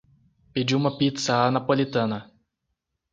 Pediu uma pizza à napolitana